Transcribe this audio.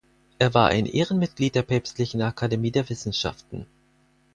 Er war ein Ehrenmitglied der Päpstlichen Akademie der Wissenschaften.